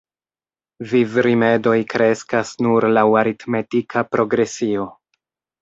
Vivrimedoj kreskas nur laŭ aritmetika progresio.